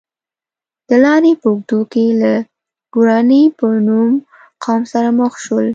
د لارې په اوږدو کې له ګوراني په نوم قوم سره مخ شول.